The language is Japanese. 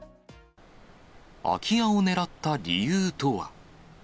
空き家を狙った理由とは。